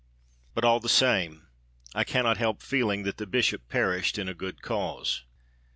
But, all the same, I cannot help feeling that the Bishop perished in a good cause.